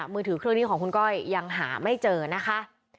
มือถือเครื่องนี้ของคุณก้อยยังหาไม่เจอนะคะ